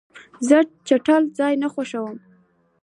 زه چټل ځای نه خوښوم.